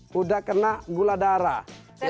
sudah kena gula darah